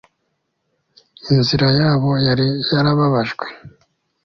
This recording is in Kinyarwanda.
Inzira yabo yari yarababajwe